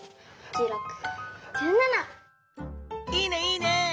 いいねいいね！